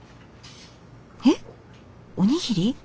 えっおにぎり？